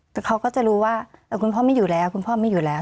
แต่เขาก็จะรู้ว่าคุณพ่อไม่อยู่แล้วคุณพ่อไม่อยู่แล้ว